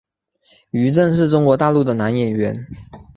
于震是中国大陆的男演员。